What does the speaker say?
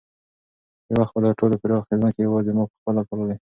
یو وخت به دا ټولې پراخې ځمکې یوازې ما په خپله پاللې.